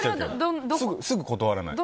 すぐ断らない？